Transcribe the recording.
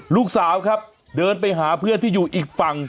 ลูกสาวครับเดินไปหาเพื่อนที่อยู่อีกฝั่ง